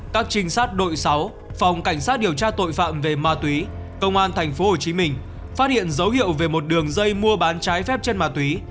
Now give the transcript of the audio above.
các trinh sát đội sáu phòng cảnh sát điều tra tội phạm về ma túy công an thành phố hồ chí minh phát hiện dấu hiệu về một đường dây mua bán trái phép trên ma túy